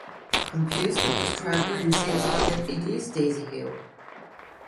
Confused, the bus driver insists that it is Daisy Hill.